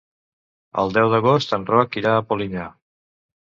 El deu d'agost en Roc irà a Polinyà.